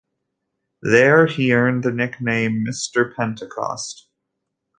There he earned the nickname "Mr Pentecost".